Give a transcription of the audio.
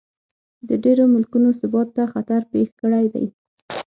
د ډېرو ملکونو ثبات ته خطر پېښ کړی دی.